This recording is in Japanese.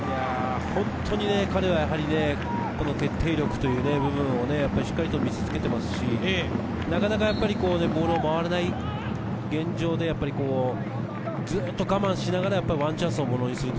本当に彼は決定力をしっかり見せつけていますし、ボールが回らない現状でずっと我慢しながらワンチャンスをものにする。